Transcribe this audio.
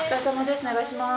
お願いします！